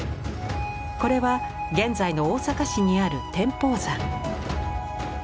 これは現在の大阪市にある天保山。